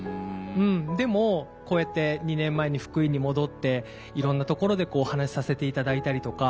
でもこうやって２年前に福井に戻っていろんなところでお話しさせて頂いたりとか。